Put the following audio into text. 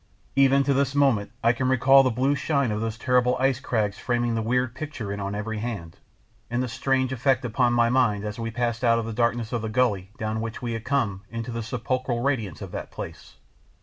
Even to this moment I can recall the blue shine of those terrible ice crags framing the weird picture in on every hand, and the strange effect upon my mind as we passed out of the darkness of the gully down which we had come into the sepulchral radiance of that place.